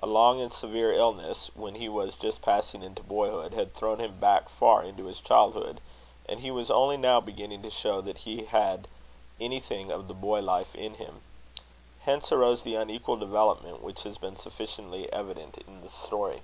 A long and severe illness, when he was just passing into boyhood, had thrown him back far into his childhood; and he was only now beginning to show that he had anything of the boy life in him. Hence arose that unequal development which has been sufficiently evident in the story.